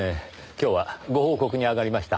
今日はご報告に上がりました。